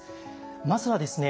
まずはですね